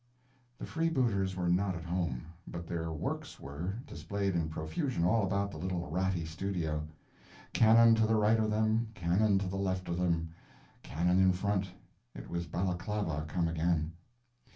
The freebooters were not at home. But their "works" were, displayed in profusion all about the little ratty studio. Cannon to the right of them, cannon to the left of them, cannon in front—it was Balaclava come again.